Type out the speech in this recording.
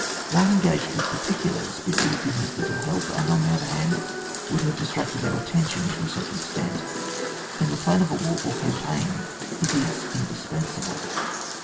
While engaged with particulars, it would have given us little help ; and, on the other hand, would have distracted our attention to a certain extent ; in the plan of a war or campaign it is indispensable.